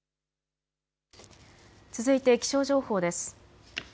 続いて気象情報です。